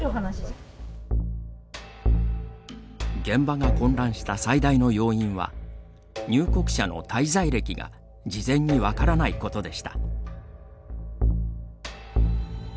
現場が混乱した最大の要因は入国者の滞在歴が事前に分からないことでした。